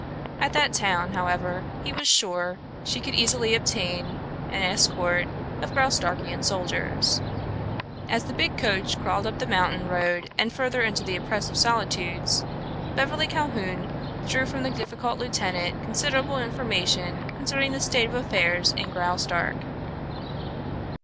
At that town, however, he was sure she easily could obtain an escort of Graustarkian soldiers. As the big coach crawled up the mountain road and further into the oppressive solitudes, Beverly Calhoun drew from the difficult lieutenant considerable information concerning the state of affairs in Graustark.